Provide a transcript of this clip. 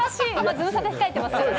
ズムサタ控えてますからね。